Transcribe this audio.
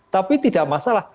tapi tidak masalah